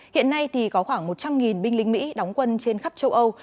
hiện nay thì có khoảng một trăm linh binh lính mỹ đóng quân trên khắp châu âu